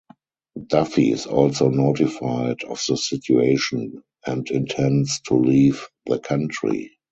Duffy is also notified of the situation and intends to leave the country.